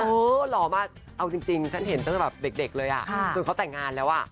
เพราะว่าเอาจริงฉันเห็นตั้งแต่แบบเด็กเลยจนเขาแต่งงานแล้ว